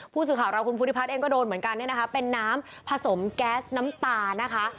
ผู้สื่อข่าวเราคุณภูริพัฒน์เองก็โดนเหมือนกันเนี่ยนะคะเป็นน้ำผสมแก๊สน้ำตานะคะ